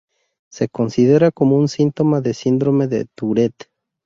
Se considera como un síntoma de síndrome de Tourette.